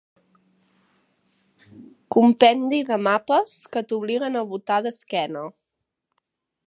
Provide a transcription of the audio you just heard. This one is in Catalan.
Compendi de mapes que t'obliguen a botar d'esquena.